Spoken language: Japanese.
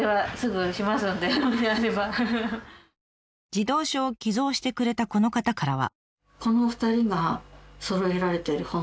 児童書を寄贈してくれたこの方からは。